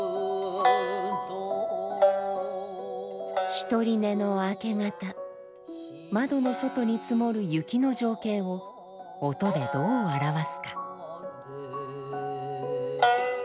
独り寝の明け方窓の外に積もる雪の情景を音でどう表すか。